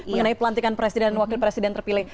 mengenai pelantikan presiden dan wakil presiden terpilih